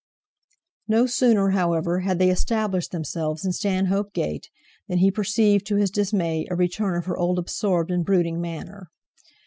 No sooner, however, had they established themselves in Stanhope Gate than he perceived to his dismay a return of her old absorbed and brooding manner.